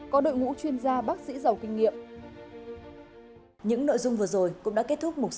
có đội ngũ chuyên gia bác sĩ giàu kinh nghiệm